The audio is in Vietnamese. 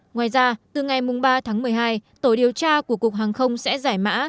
ngoài ra từ ngày ba tháng một mươi hai tổ điều tra của cục hàng không sẽ giải mã